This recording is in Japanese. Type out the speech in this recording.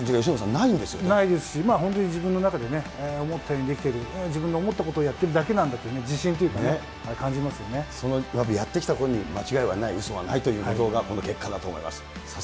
ないですし、本当に自分の中でね、思ったようにできている、自分の思ったことをやってるだけなんだっていう自信というかね、やってきた本人、間違いはない、うそがないということが、この結果だと思います。